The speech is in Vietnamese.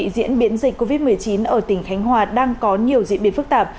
diễn biến dịch covid một mươi chín ở tỉnh khánh hòa đang có nhiều diễn biến phức tạp